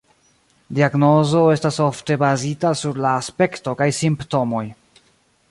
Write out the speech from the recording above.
Diagnozo estas ofte bazita sur la aspekto kaj simptomoj.